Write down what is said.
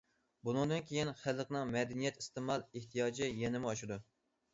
بۇنىڭدىن كېيىن خەلقنىڭ مەدەنىيەت ئىستېمال ئېھتىياجى يەنىمۇ ئاشىدۇ.